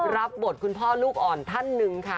รับบทคุณพ่อลูกอ่อนท่านหนึ่งค่ะ